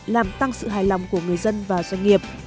làm tăng sự hài lòng của người dân và doanh nghiệp